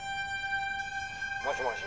「もしもし」